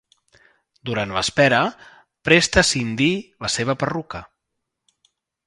Durant l'espera, presta a Sin-Dee la seva perruca.